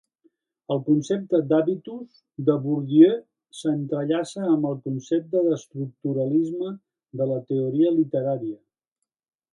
El concepte d'habitus de Bourdieu s'entrellaça amb el concepte d'estructuralisme de la teoria literària.